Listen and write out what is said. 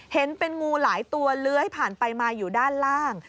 เห็นเป็นงูหลายตัวเลื้อยผ่านไปมาอยู่ด้านล่าง